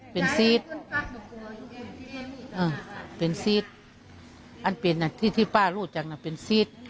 เป็นซีสเป็นซีสอันเป็นที่ที่ป้ารู้จักน่ะเป็นซีส